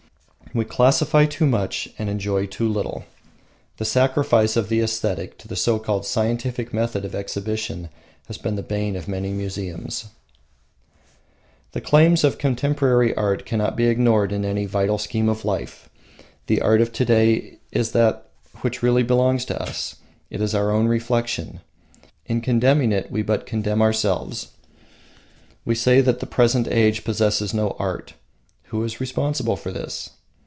We classify too much and enjoy too little. The sacrifice of the aesthetic to the so called scientific method of exhibition has been the bane of many museums. The claims of contemporary art cannot be ignored in any vital scheme of life. The art of to day is that which really belongs to us: it is our own reflection. In condemning it we but condemn ourselves. We say that the present age possesses no art: who is responsible for this?